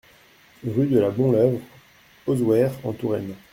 Rue de la Bonleuvre, Auzouer-en-Touraine